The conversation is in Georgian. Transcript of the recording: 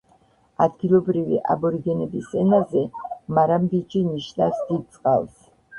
ადგილობრივი აბორიგენების ენაზე, მარამბიჯი ნიშნავს „დიდ წყალს“.